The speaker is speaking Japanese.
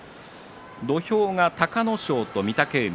土俵が隆の勝と御嶽海。